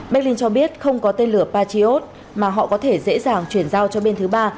berlin cho biết không có tên lửa patriot mà họ có thể dễ dàng chuyển giao cho bên thứ ba